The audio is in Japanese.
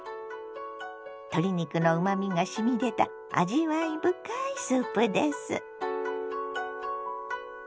鶏肉のうまみがしみ出た味わい深いスープです。